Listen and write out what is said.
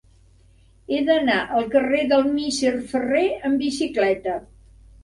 He d'anar al carrer del Misser Ferrer amb bicicleta.